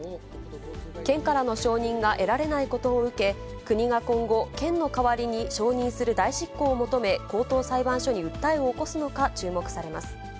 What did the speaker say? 県からの承認が得られないことを受け、国が今後、県の代わりに承認する代執行を求め、高等裁判所に訴えを起こすのか注目されます。